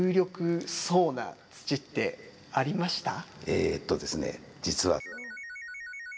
えっとですね、実は。